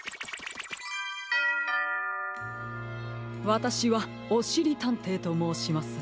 わたしはおしりたんていともうします。